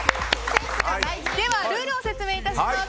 ルールを説明いたします。